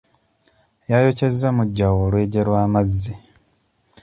Yayokyezza mujjawe olwejje lw'amazzi.